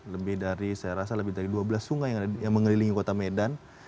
lebih dari saya rasa lebih dari dua belas sungai yang mengelilingi kota medan